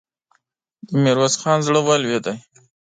د ميرويس خان زړه ولوېد.